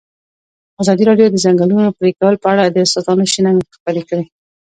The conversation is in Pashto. ازادي راډیو د د ځنګلونو پرېکول په اړه د استادانو شننې خپرې کړي.